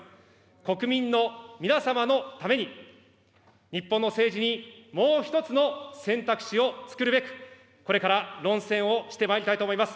国民の皆様のために、日本の政治にもう一つの選択肢をつくるべく、これから論戦をしてまいりたいと思います。